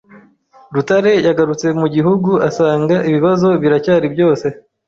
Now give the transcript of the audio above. Rutare yagarutse mu gihugu asanga ibibazo biracyari byose